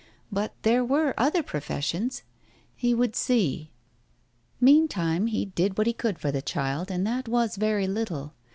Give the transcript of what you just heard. But there were other professions. He would see ? Meantime he did what he could for the child, and that was very little.